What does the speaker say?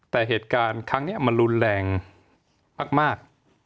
แต่เหตุการณ์ครั้งนี้มันรุนแรงมาก